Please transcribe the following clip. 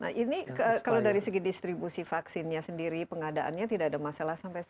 nah ini kalau dari segi distribusi vaksinnya sendiri pengadaannya tidak ada masalah sampai sekarang